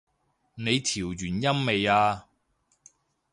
你調完音未啊？